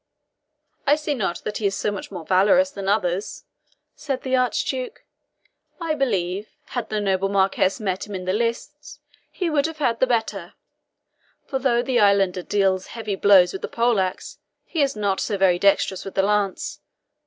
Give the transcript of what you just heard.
"I see not that he is so much more valorous than others," said the Archduke. "I believe, had the noble Marquis met him in the lists, he would have had the better; for though the islander deals heavy blows with the pole axe, he is not so very dexterous with the lance.